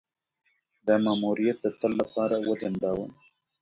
دا ماموریت د تل لپاره وځنډاوه.